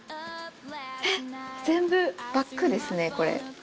えっ全部バッグですねこれ。